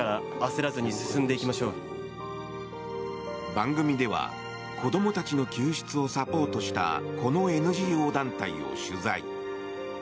番組では子供たちの救出をサポートしたこのＮＧＯ団体を取材。